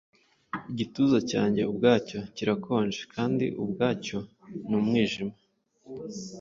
Igituza cyanjye ubwacyo kirakonje, kandi ubwacyo ni umwijima